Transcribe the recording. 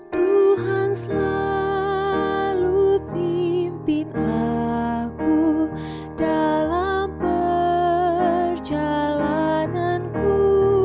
tuhan selalu pimpin aku dalam perjalananku